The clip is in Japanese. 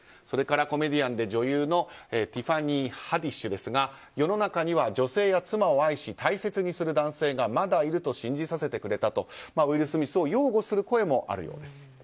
それからコメディアンで女優のティファニー・ハディッシュですが世の中には女性や妻を愛し大切にする男性がまだいると信じさせてくれたとウィル・スミスを擁護する声もあるようです。